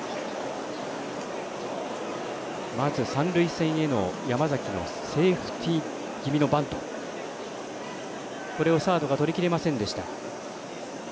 まず三塁線への山崎のセーフティー気味のバントこれをサードがとりきれませんでした。